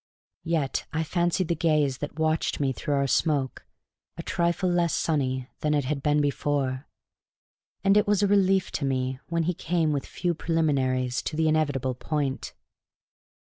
Yet I fancied the gaze that watched me through our smoke a trifle less sunny than it had been before. And it was a relief to me when he came with few preliminaries to the inevitable point.